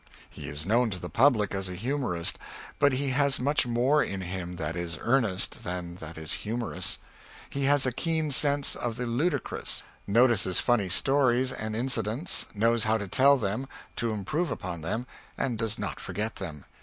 He is known to the public as a humorist, but he has much more in him that is earnest than that is humorous. He has a keen sense of the ludicrous, notices funny stories and incidents knows how to tell them, to improve upon them, and does not forget them.